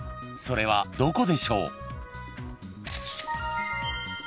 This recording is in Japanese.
［それはどこでしょう？］